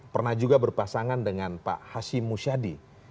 pernah juga berpasangan dengan pak hashim musyadi